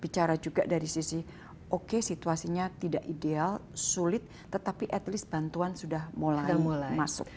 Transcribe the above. bicara juga dari sisi oke situasinya tidak ideal sulit tetapi at least bantuan sudah mulai masuk